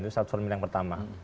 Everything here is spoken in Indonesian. itu saat formil yang pertama